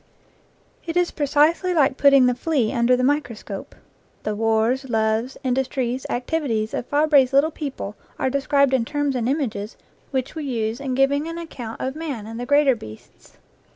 It is precisely like putting the flea under the microscope. The wars, loves, indus tries, activities of Fabre's little people are de scribed in terms and images which we use in giving an account of man and the greater beasts.